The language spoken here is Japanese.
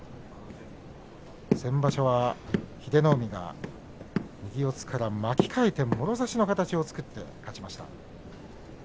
先場所は英乃海が右四つから巻き替えてもろ差しの形を作って勝ちました。